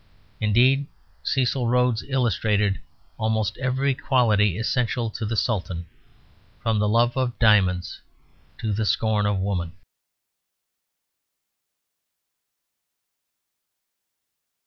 Indeed Cecil Rhodes illustrated almost every quality essential to the Sultan, from the love of diamonds to the scorn of woman.